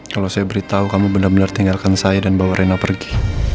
kalau saya beritahu kamu benar benar tinggalkan saya dan bawa rena pergi